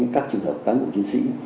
các trường hợp cán bộ chính sĩ